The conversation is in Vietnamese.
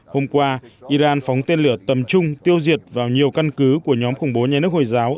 hôm qua iran phóng tên lửa tầm trung tiêu diệt vào nhiều căn cứ của nhóm khủng bố nhà nước hồi giáo